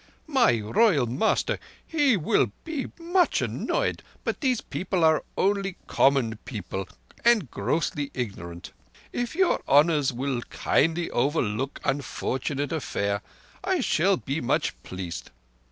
"My royal master, he will be much annoyed, but these people are onlee common people and grossly ignorant. If your honours will kindly overlook unfortunate affair, I shall be much pleased.